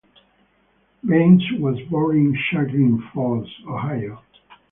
Banes was born in Chagrin Falls, Ohio.